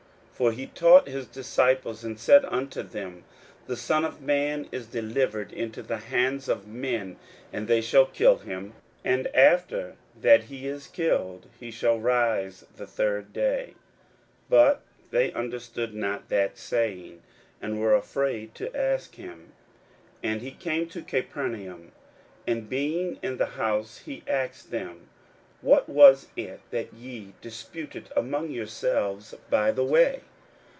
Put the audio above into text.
41:009:031 For he taught his disciples, and said unto them, The Son of man is delivered into the hands of men, and they shall kill him; and after that he is killed, he shall rise the third day. 41:009:032 But they understood not that saying, and were afraid to ask him. 41:009:033 And he came to Capernaum: and being in the house he asked them, What was it that ye disputed among yourselves by the way?